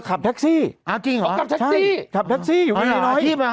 เออขับแท็กซี่อ่าจริงหรอใช่ขับแท็กซี่อยู่อีรีนอยด์อ่าอาชีพอ่ะ